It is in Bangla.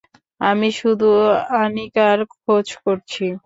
আমি শুধু আনিকার খোঁজ করছি।